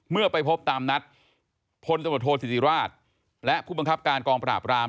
เมื่อไปพบตามนัดพลตำรวจโทษศิติราชและผู้บังคับการกองปราบราม